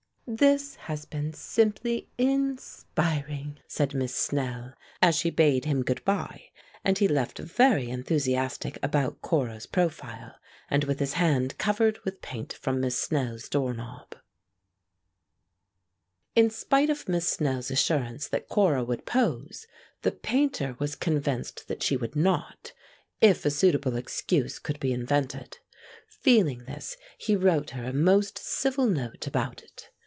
"This has been simply in spiring!" said Miss Snell, as she bade him good bye, and he left very enthusiastic about Cora's profile, and with his hand covered with paint from Miss Snell's door knob. In spite of Miss Snell's assurance that Cora would pose, the Painter was convinced that she would not, if a suitable excuse could be invented. Feeling this, he wrote her a most civil note about it.